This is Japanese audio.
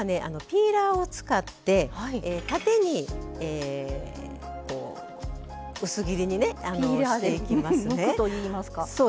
ピーラーを使って縦にえこう薄切りにねしていきますね。